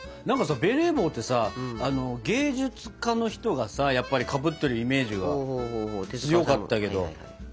何かさベレー帽ってさ芸術家の人がさやっぱりかぶっているイメージが強かったけど。